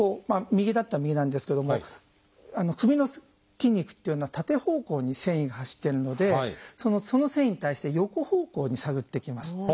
右だったら右なんですけども首の筋肉っていうのは縦方向に線維が走ってるのでその線維に対して横方向に探っていきます。